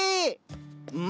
うん？